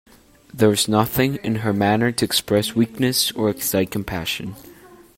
There is nothing in her manner to express weakness or excite compassion.